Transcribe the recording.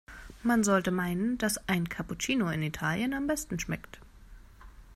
Man sollte meinen, dass ein Cappuccino in Italien am besten schmeckt.